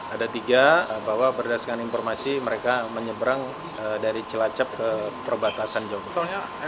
ada tiga bahwa berdasarkan informasi mereka menyeberang dari cilacap ke perbatasan jongkong